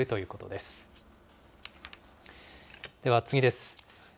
では次です。